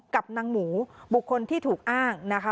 กับนางหมูบุคคลที่ถูกอ้างนะคะ